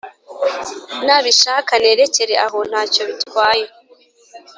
nabishaka narekere aho ntacyo bitwaye